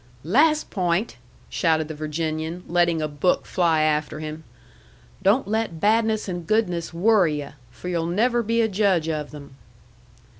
"Last point!" shouted the Virginian, letting a book fly after him: "don't let badness and goodness worry yu', for yu'll never be a judge of them."